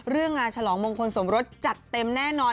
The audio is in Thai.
เรื่องงานฉลองมงคลสมรสจัดเต็มแน่นอน